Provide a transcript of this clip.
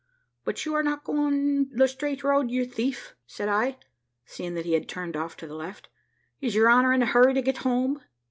`But you are not going the straight road, you thief,' said I, seeing that he had turned off to the left. `Is your honour in a hurry to get home?